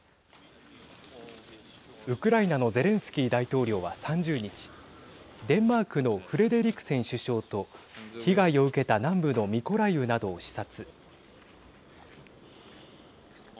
ウクライナのゼレンスキー大統領は３０日デンマークのフレデリクセン首相と被害を受けた南部のミコライウなどを視察。